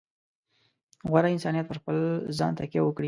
غوره انسانیت په خپل ځان تکیه وکړي.